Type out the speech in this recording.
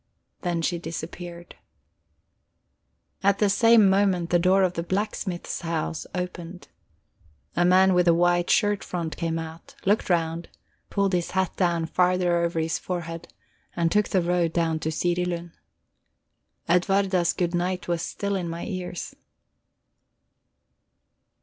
Then she disappeared. At the same moment the door of the blacksmith's house opened. A man with a white shirt front came out, looked round, pulled his hat down farther over his forehead, and took the road down to Sirilund. Edwarda's good night was still in my ears.